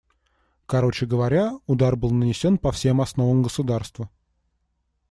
Короче говоря, удар был нанесен по всем основам государства.